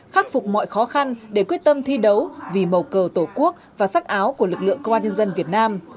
khắc phục mọi khó khăn để quyết tâm thi đấu vì màu cờ tổ quốc và sắc áo của lực lượng công an nhân dân việt nam